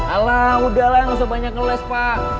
alah udahlah nggak usah banyak ngeles pak